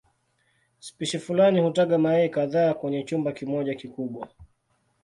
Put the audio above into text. Spishi fulani hutaga mayai kadhaa kwenye chumba kimoja kikubwa.